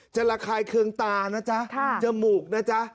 ระคายเคืองตานะจ๊ะจมูกนะจ๊ะ